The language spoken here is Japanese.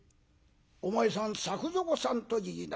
「お前さん作蔵さんといいなさるか。